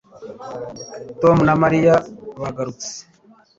Tom na Mariya bagarutse